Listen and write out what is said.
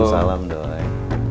selamat malam doi